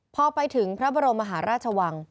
พอไปถึงพระบรมมหาราชวัง